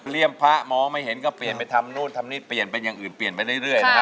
พระมองไม่เห็นก็เปลี่ยนไปทำนู่นทำนี่เปลี่ยนเป็นอย่างอื่นเปลี่ยนไปเรื่อยนะฮะ